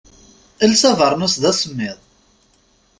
Els abernus, d asemmiḍ.